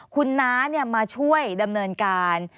คุณน้ามาช่วยดำเนินการ